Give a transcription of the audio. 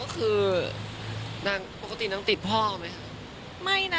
ค่ะ